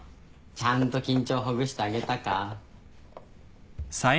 ちゃんと緊張ほぐしてあげたか？